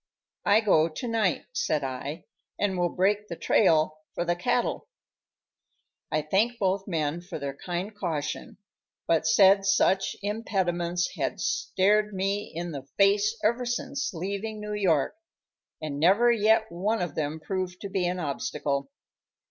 "I go to night," said I, "and will break the trail for the cattle." I thanked both men for their kind caution, but said such impediments had stared me in the face ever since leaving New York, and never yet one of them proved to be an obstacle.